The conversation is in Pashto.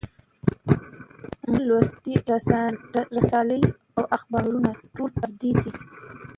مونږ لوستي رسالې او اخبارونه ټول پردي دي